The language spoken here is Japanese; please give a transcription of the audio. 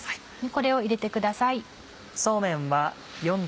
これを入れてください。